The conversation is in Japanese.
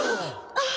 あっ。